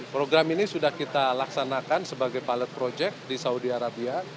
program ini sudah kita laksanakan sebagai pilot project di saudi arabia